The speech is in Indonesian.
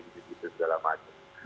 gitu gitu segala macam